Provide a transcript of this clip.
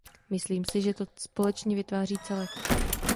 Myslím si, že to společně vytváří celek.